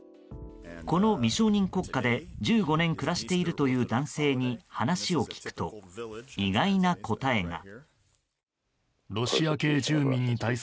この未承認国家で１５年暮らしているという男性に話を聞くと意外な答えが。